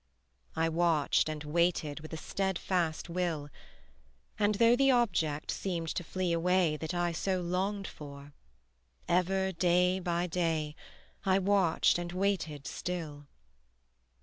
I watched and waited with a steadfast will: And though the object seemed to flee away That I so longed for, ever day by day I watched and waited still.